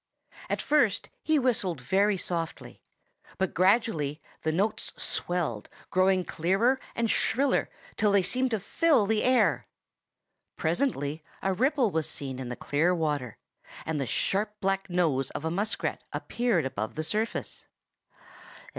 At first he whistled very softly, but gradually the notes swelled, growing clearer and shriller, till they seemed to fill the air. Presently a ripple was seen in the clear water, and the sharp black nose of a muskrat appeared above the surface.